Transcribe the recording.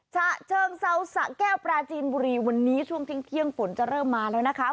ฉะเชิงเซาสะแก้วปราจีนบุรีวันนี้ช่วงเที่ยงฝนจะเริ่มมาแล้วนะคะ